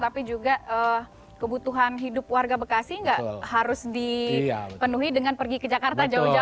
tapi juga kebutuhan hidup warga bekasi nggak harus dipenuhi dengan pergi ke jakarta jauh jauh